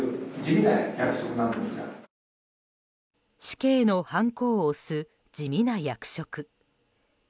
死刑のはんこを押す地味な役職。